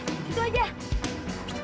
itu aja deh